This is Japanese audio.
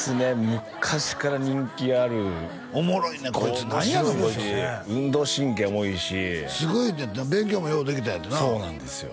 昔から人気あるおもろいねんこいつ面白いし運動神経もいいしすごい勉強もようできたんやってなそうなんですよ